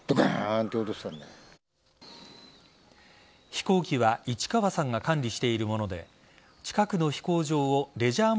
飛行機は市川さんが管理しているもので近くの飛行場をレジャー